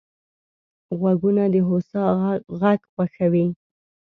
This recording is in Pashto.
غوږونه د هوسا غږ خوښوي